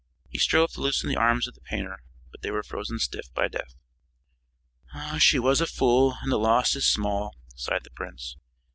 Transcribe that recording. He strove to loosen the arms of the painter, but they were frozen stiff by death. "She was a fool, and the loss is small," sighed the prince.